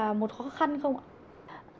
có được coi là một khó khăn không ạ